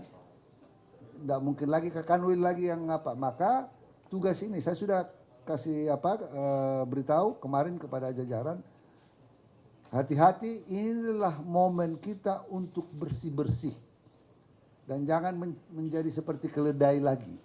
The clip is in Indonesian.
tidak mungkin lagi ke kanwin lagi yang apa maka tugas ini saya sudah kasih beritahu kemarin kepada jajaran hati hati ini adalah momen kita untuk bersih bersih dan jangan menjadi seperti keledai lagi